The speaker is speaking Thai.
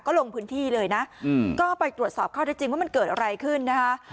ก็ลงพื้นที่เลยนะก็ไปตรวจสอบข้อได้จริงว่ามันเกิดอะไรขึ้นนะคะ